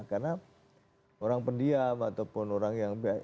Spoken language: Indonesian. karena orang pendiam ataupun orang yang biasa